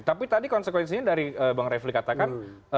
tapi tadi konsekuensinya dari bang refli katakan